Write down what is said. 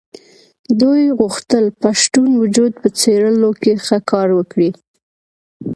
دوی غوښتل پښتون وجود په څېرلو کې ښه کار وکړي.